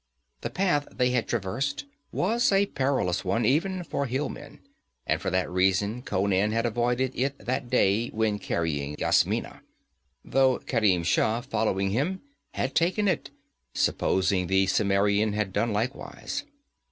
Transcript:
The path they had traversed was a perilous one, even for hill men, and for that reason Conan had avoided it that day when carrying Yasmina, though Kerim Shah, following him, had taken it supposing the Cimmerian had done likewise.